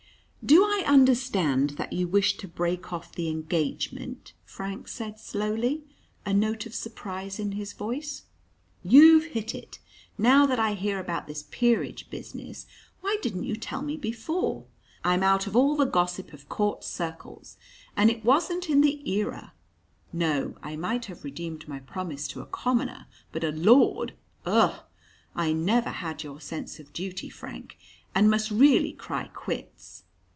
"Do I understand that you wish to break off the engagement?" Frank said slowly, a note of surprise in his voice. "You've hit it now that I hear about this peerage business why didn't you tell me before? I'm out of all the gossip of court circles, and it wasn't in the Era. No, I might have redeemed my promise to a commoner, but a lord, ugh! I never had your sense of duty, Frank, and must really cry 'quits.'